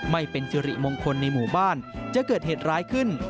ไม่เป็นสิริมงคลในหมู่บ้านจะเกิดเหตุร้ายขึ้น